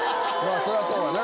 そりゃそうやな。